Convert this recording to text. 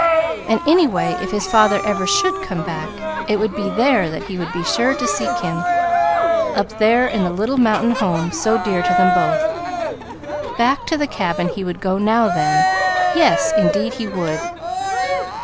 And, anyway, if his father ever should come back, it would be there that he would be sure to seek him up there in the little mountain home so dear to them both. Back to the cabin he would go now, then. Yes; indeed he would!